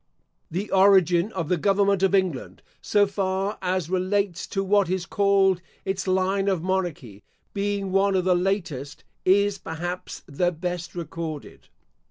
The origin of the Government of England, so far as relates to what is called its line of monarchy, being one of the latest, is perhaps the best recorded.